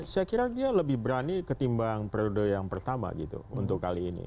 saya kira dia lebih berani ketimbang periode yang pertama gitu untuk kali ini